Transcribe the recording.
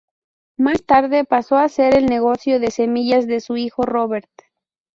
Más tarde pasó a ser el negocio de semillas de su hijo Robert.